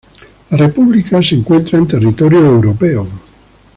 La república se encuentra en territorio europeo.